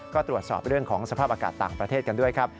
ก็ตรวจสอบเรื่องของสภาพอากาศต่างประเทศกันด้วยครับ